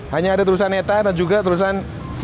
hanya ada tulisan leta dan juga tulisan v dua